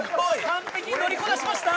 完璧に乗りこなしました！